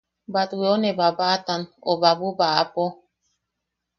Batweune babaʼatan o babubaʼapo.